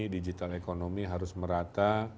digital ekonomi harus merata